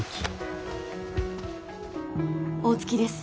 大月です。